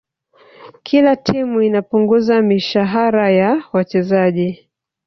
kila timu inapunguza mishahara ya wachezaji